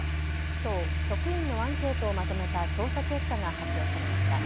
きょう職員のアンケートをまとめた調査結果が発表されました。